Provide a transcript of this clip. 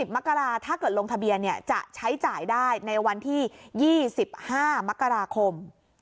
มกราถ้าเกิดลงทะเบียนจะใช้จ่ายได้ในวันที่๒๕มกราคม